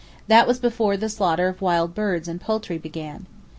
That was before the slaughter of wild birds and poultry began.